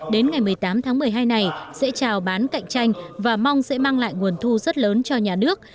đến ngày một mươi tám tháng một mươi hai này sẽ trào bán cạnh tranh và mong sẽ mang lại nguồn thu rất lớn cho nhà nước